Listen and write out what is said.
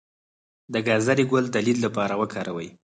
د ګازرې ګل د لید لپاره وکاروئ